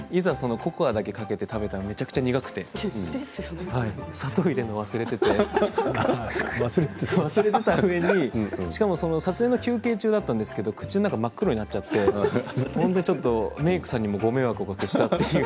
ココアだけかけて食べたらめちゃくちゃ苦くて砂糖を入れるの忘れていて忘れていたうえに撮影の休憩中だったんですけど口の中真っ黒になっちゃって本当に、ちょっとメークさんにもご迷惑をかけて。